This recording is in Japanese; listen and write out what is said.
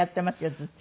ずっと。